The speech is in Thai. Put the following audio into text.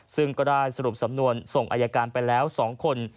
ซึ่งก็ได้สรุปสำนวนส่งอายการไปแล้ว๒คน